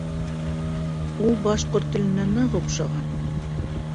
Ул башҡорт теленә ныҡ оҡшаған.